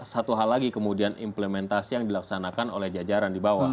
satu hal lagi kemudian implementasi yang dilaksanakan oleh jajaran di bawah